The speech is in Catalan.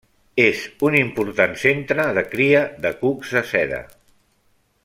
És un important centre de cria de cucs de seda.